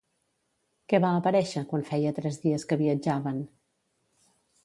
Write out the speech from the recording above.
Què va aparèixer quan feia tres dies que viatjaven?